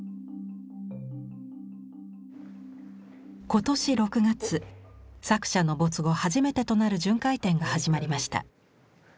今年６月作者の没後初めてとなる巡回展が始まりました。